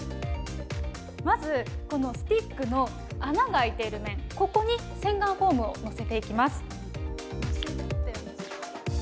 まず、このスティックの穴が開いている面、ここに洗顔フォームを載せていきます。